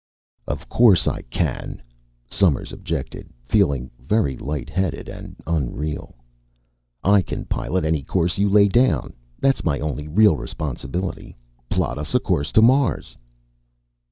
"Of course I can," Somers objected, feeling very light headed and unreal. "I can pilot any course you lay down. That's my only real responsibility. Plot us a course to Mars!"